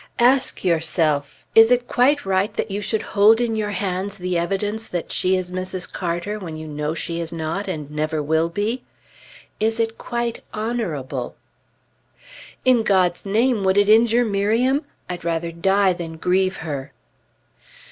"Ask yourself! Is it quite right that you should hold in your hands the evidence that she is Mrs. Carter, when you know she is not, and never will be? Is it quite honorable?" "In God's name, would it injure Miriam? I'd rather die than grieve her."